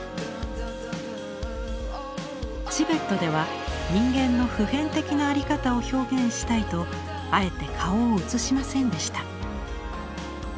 チベットでは人間の普遍的な在り方を表現したいとあえて顔を写しませんでした。